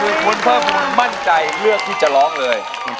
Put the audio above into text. คุณเพิ่มภูมิมั่นใจเลือกที่จะร้องเลย